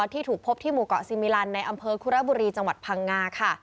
ที่ถูกพบที่หมู่เกาะซีมิลันในอำเภอคุระบุรีจังหวัดพังงาค่ะ